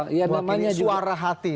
mewakili suara hati masyarakat